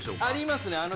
ありますね。